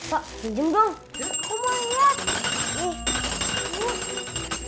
pak janjiin dong